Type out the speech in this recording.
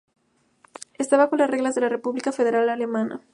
Está bajo las reglas de la República Federal Alemana.